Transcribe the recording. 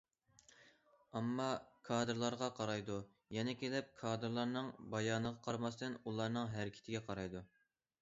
ئامما كادىرلارغا قارايدۇ، يەنە كېلىپ كادىرلارنىڭ بايانىغا قارىماستىن ئۇلارنىڭ ھەرىكىتىگە قارايدۇ.